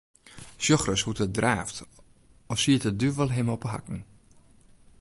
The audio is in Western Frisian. Sjoch ris hoe't er draaft, as siet de duvel him op 'e hakken.